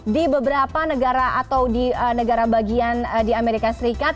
di beberapa negara atau di negara bagian di amerika serikat